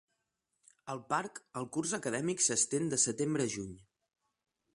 Al parc, el curs acadèmic s'estén de setembre a juny.